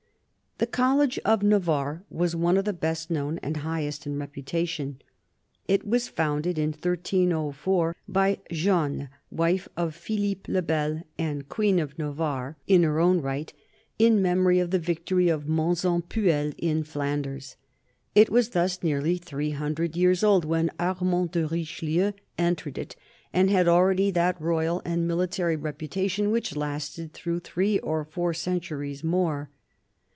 The College of Navarre was one of the best known and highest in reputation. It was founded in 1304 by Jeanne, wife of Philippe le Bel and Queen of Navarre in 1 8 CARDINAL DE RICHELIEU her own right, in memory of the victory of Mons en Puelle in Flanders. It was thus nearly three hundred years old when Armand de Richelieu entered it, and had already^ that royal and military reputation which lasted throu^ti three or four centuries more.